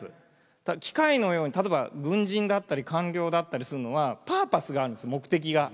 機械のように例えば軍人だったり官僚だったりするのはパーパスがあるんです目的が。